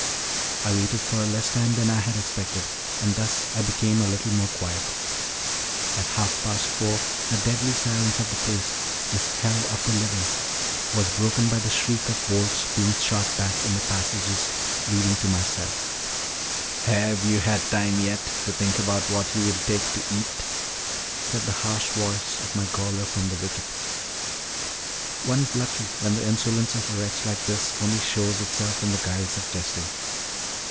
I waited for a less time than I had expected, and thus I became a little more quiet. At half past four the deadly silence of the place this hell of the living was broken by the shriek of bolts being shot back in the passages leading to my cell. "Have you had time yet to think about what you will take to eat?" said the harsh voice of my gaoler from the wicket. One is lucky when the insolence of a wretch like this only shews itself in the guise of jesting.